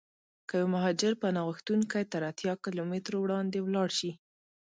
که یو مهاجر پناه غوښتونکی تر اتیا کیلومترو وړاندې ولاړشي.